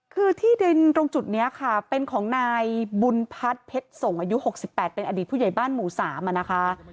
คือที่ดินตรงจุดนี้ค่ะเป็นของนายบุญพัฒน์เพชรส่งอายุ๖๘เป็นอดีตผู้ใหญ่บ้านหมู่๓นะคะ